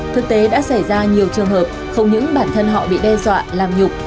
thực tế đã xảy ra nhiều trường hợp không những bản thân họ bị đe dọa làm nhục